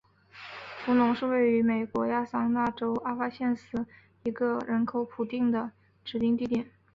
弗农是位于美国亚利桑那州阿帕契县的一个人口普查指定地区。